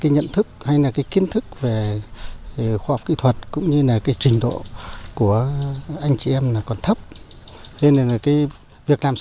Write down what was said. nhận thức hay kiến thức về khoa học kỹ thuật cũng như trình độ của anh chị em